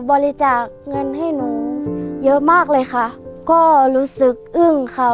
บริจาคเงินให้หนูเยอะมากเลยค่ะก็รู้สึกอึ้งค่ะ